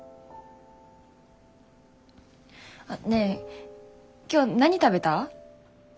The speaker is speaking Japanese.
あっねぇ今日何食べた？